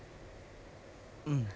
うん。